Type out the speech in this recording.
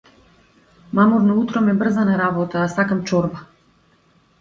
Мамурно утро ме брза на работа, а сакам чорба.